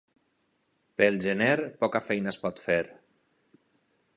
Pel gener poca feina es pot fer.